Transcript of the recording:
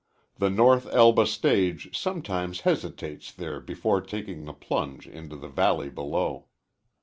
The North Elba stage sometimes hesitates there before taking the plunge into the valley below.